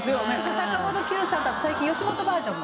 坂本九さんとあと最近吉本バージョンも。